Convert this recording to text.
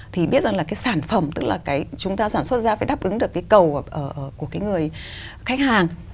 thì biết rằng là cái sản phẩm tức là cái chúng ta sản xuất ra phải đáp ứng được cái cầu của cái người khách hàng